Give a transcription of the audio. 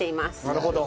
なるほど。